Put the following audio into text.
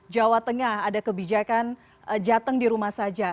jawa tengah ada kebijakan jateng di rumah saja